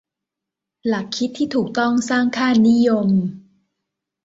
หลักคิดที่ถูกต้องสร้างค่านิยม